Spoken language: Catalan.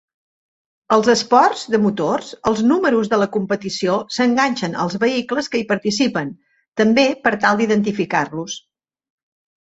Als esports de motors, els números de la competició s'enganxen als vehicles que hi participen, també per tal d'identificar-los.